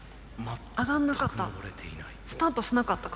上がんなかった。